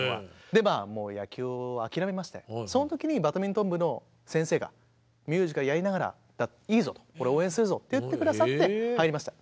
でもう野球を諦めましてその時にバドミントン部の先生がミュージカルやりながらいいぞと俺応援するぞって言って下さって入りました。